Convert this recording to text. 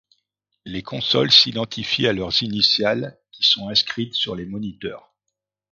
Les consoles s'identifient à leurs initiales qui sont inscrites sur les moniteurs.